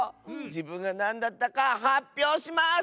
じぶんがなんだったかはっぴょうします！